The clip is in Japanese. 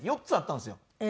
４つあったんですよ